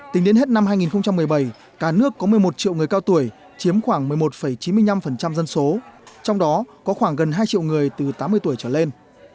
tính đến hết năm hai nghìn một mươi bảy cả nước có một mươi một triệu người cao tuổi chiếm khoảng một mươi một chín mươi năm dân số trong đó có khoảng gần hai triệu người từ tám mươi tuổi trở lên